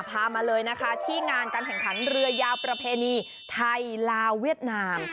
มาเลยนะคะที่งานการแข่งขันเรือยาวประเพณีไทยลาวเวียดนาม